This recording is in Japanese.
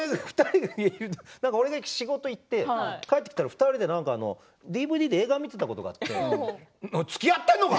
俺が仕事に行って、帰ってきたら２人でＤＶＤで映画を見ていた時があってつきあってんのか！